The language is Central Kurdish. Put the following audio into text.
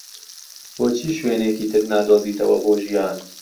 بۆچی شوێنێکی تر نادۆزیتەوە بۆ ژیان؟